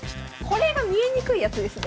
これが見えにくいやつですね。